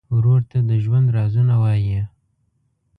ورور ته د ژوند رازونه وایې.